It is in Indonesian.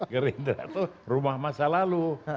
gerindra itu rumah masa lalu